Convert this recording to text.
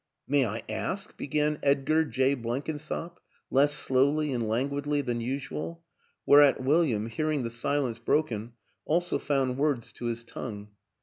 " May I ask ?" began Edgar Jay Blenk insop, less slowly and languidly than usual whereat William, hearing the silence broken, also found words to his tongue.